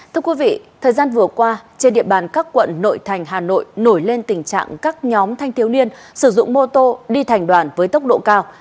thưa quý vị thời gian vừa qua trên địa bàn các quận nội thành hà nội nổi lên tình trạng các nhóm thanh thiếu niên sử dụng mô tô đi thành đoàn với tốc độ cao